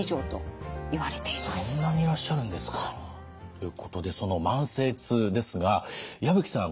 ということでその慢性痛ですが矢吹さん